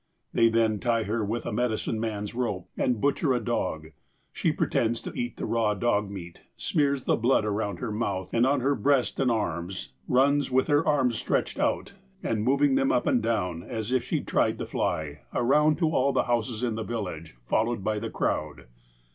They then tie her with a medicine man's rope, and butcher a dog. She pretends to eat the raw dog meat, smears the blood around her mouth, and on her breast and arms, runs, with her arms stretched out, and moving them up and down, as if she tried to fly, around to all the houses in the village, followed by the crowd.